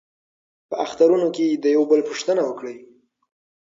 په اخترونو کې د یو بل پوښتنه وکړئ.